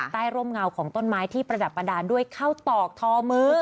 ร่มเงาของต้นไม้ที่ประดับประดานด้วยข้าวตอกทอมือ